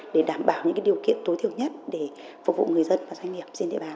để đảm bảo những điều kiện tối thiểu nhất để phục vụ người dân và doanh nghiệp